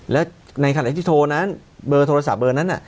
แล้วในขณะที่โทรนั้นเบอร์โทรศัพท์เบอร์นั้น